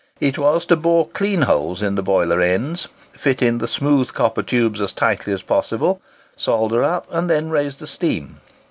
It was, to bore clean holes in the boiler ends, fit in the smooth copper tubes as tightly as possible, solder up, and then raise the steam.